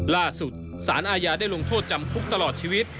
ล่าสุดสารอาญาได้ลงโทษจำคุกตลอดชีวิต